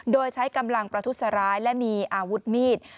โดยใช้กำลังประทุษร้ายและมีอาวุธมีด